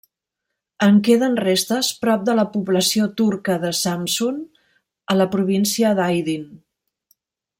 En queden restes prop de la població turca de Samsun a la província d'Aydın.